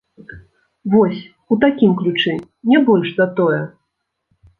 Вось, у такім ключы, не больш за тое.